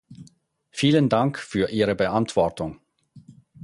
Vielen Dank für Ihre Beantwortung.